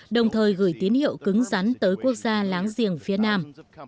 đồng thời gửi tín hiệu cứng rắn tới quốc gia láng giềng phía nam